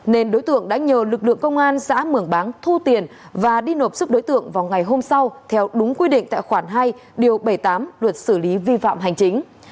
nên đối tượng đã nhờ lực lượng công an xã mường bán thu tiền và đi nộp sức đối tượng vào ngày hôm sau theo đúng quy định tại khoản hai điều bảy mươi tám luật xử lý vi phạm hành chính